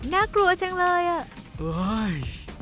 น่ากลัวจังเลยอ่ะ